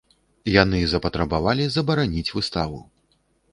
Яны запатрабавалі забараніць выставу.